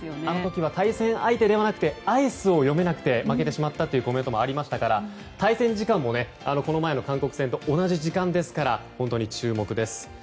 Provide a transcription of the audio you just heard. あの時は対戦相手ではなくアイスを読めなくて負けてしまったというコメントもあったので対戦時間もこの前の韓国戦と同じ時間なので本当に注目です。